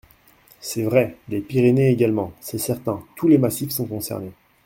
C’est vrai ! Les Pyrénées également ! C’est certain : tous les massifs sont concernés.